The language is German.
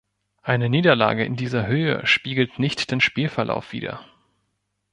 Eine Niederlage in dieser Höhe spiegelt nicht den Spielverlauf wider.